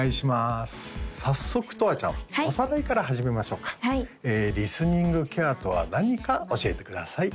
早速とわちゃんおさらいから始めましょうかリスニングケアとは何か教えてください